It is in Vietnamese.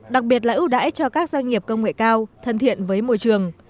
đặc biệt là ưu đãi cho các doanh nghiệp công nghệ cao thân thiện với môi trường